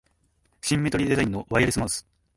シンメトリーデザインのワイヤレスマウス